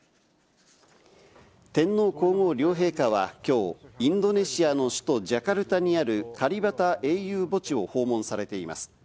天皇皇后両陛下はきょう、インドネシアの首都ジャカルタにあるカリバタ英雄墓地を訪問されています。